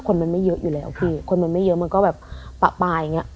คนมันไม่เยอะอยู่แล้วพี่คนมันไม่เยอะมันก็แบบปะปลายอย่างเงี้